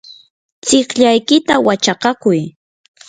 tsiqllaykita wachakakuy.